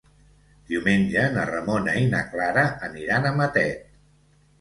Diumenge na Ramona i na Clara aniran a Matet.